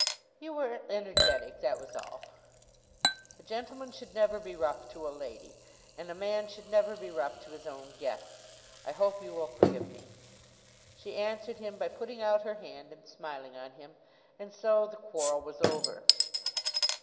"You were energetic, that was all." "A gentleman should never be rough to a lady, and a man should never be rough to his own guests. I hope you will forgive me." She answered him by putting out her hand and smiling on him; and so the quarrel was over.